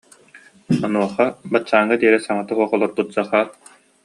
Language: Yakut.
Онуоха баччааҥҥа диэри саҥата суох олорбут Захар: